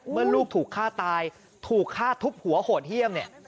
ลูกถูกฆ่าตายถูกฆ่าทุบหัวโหดเยี่ยมเนี่ย